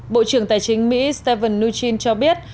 bộ trưởng tài chính mỹ stephen mnuchin cho biết